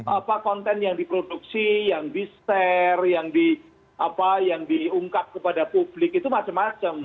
apa konten yang diproduksi yang di share yang diungkap kepada publik itu macam macam